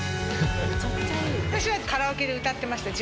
私はカラオケで歌ってました。